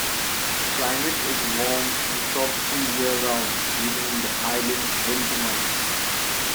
Climate is warm and tropical year-round, even in the islands' "winter" months.